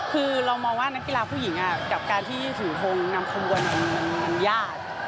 คือเรามองว่านักกีฬาผู้หญิงกับการที่ถือทงนำขบวนของมันยาก